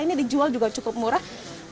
ini dijual juga cukup murah